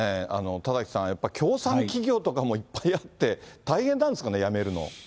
田崎さん、やっぱり協賛企業とかもいっぱいあって、大変なんですかね、やめるの。